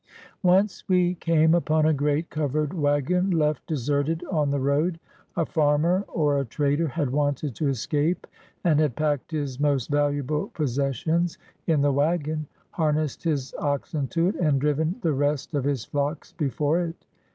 Once we came upon a great covered wagon left de serted on the road. A farmer or a trader had wanted to escape and had packed his most valuable possessions in the wagon, harnessed his oxen to it, and driven the rest of his flocks before it.